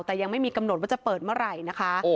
แต่ยังไม่มีกำหนดว่าจะเปิดเมื่อไหร่นะคะ